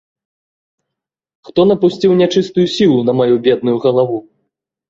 Хто напусціў нячыстую сілу на маю бедную галаву?